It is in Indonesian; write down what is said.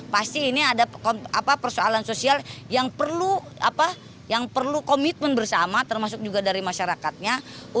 pasti ini ada persoalan sosial yang perlu komitmen bersama termasuk juga dari masyarakatnya